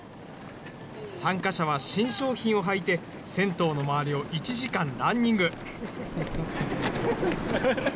参加者は新商品を履いて、銭湯の周りを１時間ランニング。